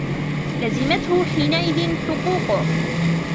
لَزِمَتْهُ حِينَئِذٍ حُقُوقُهُ